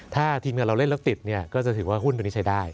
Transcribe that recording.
ถ้าทีมงานเราเล่นแล้วติดเนี่ยก็จะถือว่าหุ้นตัวนี้ใช้ได้